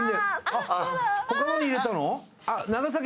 あっ他のに入れたの？